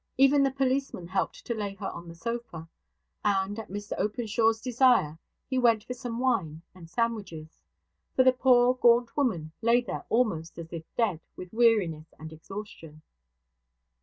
Even the policeman helped to lay her on the sofa; and, at Mr Openshaw's desire, he went for some wine and sandwiches; for the poor gaunt woman lay there almost as if dead with weariness and exhaustion.